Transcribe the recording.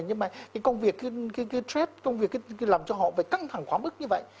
nhưng mà cái công việc cái trade công việc làm cho họ phải căng thẳng quá mức như vậy